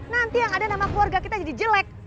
nanti yang ada nama keluarga kita jadi jelek